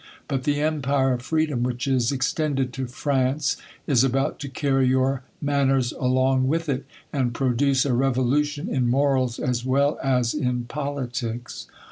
But the empire of free dom, wliich is extended to France, is about to carry your manners along w^ith it, and produce a revolution in morals as well as in politics.